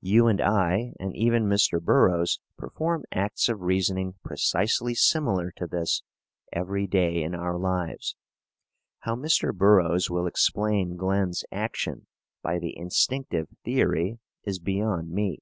You and I, and even Mr. Burroughs, perform acts of reasoning precisely similar to this every day in our lives. How Mr. Burroughs will explain Glen's action by the instinctive theory is beyond me.